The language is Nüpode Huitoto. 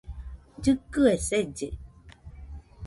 Llɨkɨe selle